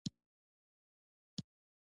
په بل ځای کې هماغه کلمه ساده وي.